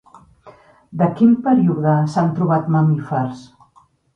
De quin període s'han trobat mamífers?